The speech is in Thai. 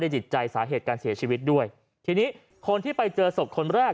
จิตใจสาเหตุการเสียชีวิตด้วยทีนี้คนที่ไปเจอศพคนแรก